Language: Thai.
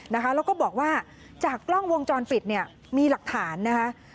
แล้วก็บอกว่าจากกล้องวงจรปิดเนี่ยมีหลักฐานนะคะ